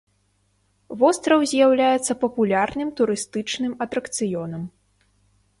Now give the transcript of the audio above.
Востраў з'яўляецца папулярным турыстычным атракцыёнам.